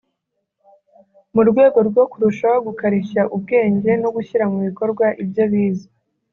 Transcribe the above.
mu rwego rwo kurushaho gukarishya ubwenge no gushyira mu bikorwa ibyo bize